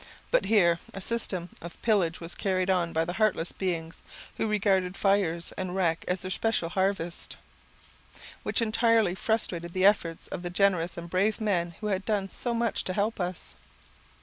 But here a system of pillage was carried on by the heartless beings, who regard fires and wreck as their especial harvest, which entirely frustrated the efforts of the generous and brave men who had done so much to help us.